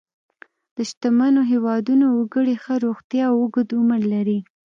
د شتمنو هېوادونو وګړي ښه روغتیا او اوږد عمر لري.